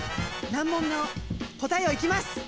難問の答えをいきます！